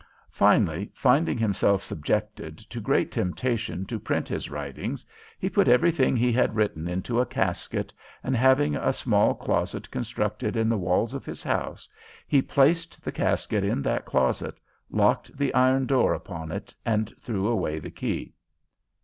Finally, finding himself subjected to great temptation to print his writings, he put everything he had written into a casket, and, having a small closet constructed in the walls of his house, he placed the casket in that closet, locked the iron door upon it and threw away the key.